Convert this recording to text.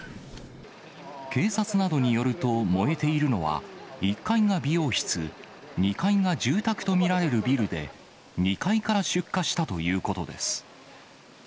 警察などによると、燃えているのは１階が美容室、２階が住宅と見られるビルで、２階から出火したということです。